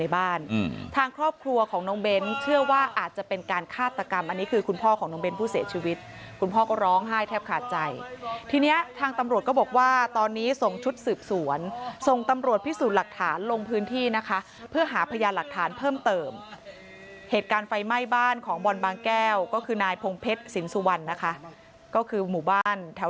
บ้านทางครอบครัวของน้องเบ้นเชื่อว่าอาจจะเป็นการฆาตกรรมอันนี้คือคุณพ่อของน้องเบ้นผู้เสียชีวิตคุณพ่อก็ร้องไห้แทบขาดใจทีนี้ทางตำรวจก็บอกว่าตอนนี้ส่งชุดสืบสวนส่งตำรวจพิสูจน์หลักฐานลงพื้นที่นะคะเพื่อหาพยานหลักฐานเพิ่มเติมเหตุการณ์ไฟไหม้บ้านของบอลบางแก้วก็คือนายพงเพชรสินสุวรรณนะคะก็คือหมู่บ้านแถว